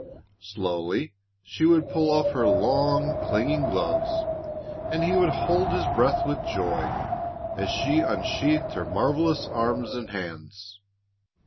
Slowly she would pull off her long, clinging gloves and he would hold his breath with joy as she unsheathed her marvelous arms and hands.